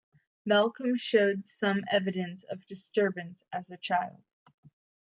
Malcolm showed some evidence of disturbance as a child.